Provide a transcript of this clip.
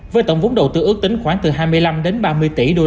với tổng vốn đầu tư ước tính khoảng từ hai mươi năm đến ba mươi tỷ usd